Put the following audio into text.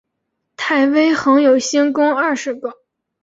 太微垣有星官二十个。